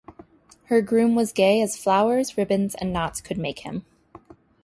Her groom was gay as flowers, ribbons, and knots could make him.